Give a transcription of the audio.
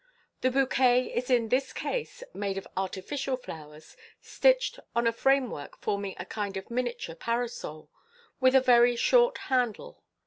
The bouquet is in this case made of artificial flowers, stitched on a Vamework forming a kind of miniature parasol, with a very short handle.